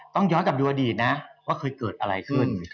ย้อนกลับดูอดีตนะว่าเคยเกิดอะไรขึ้น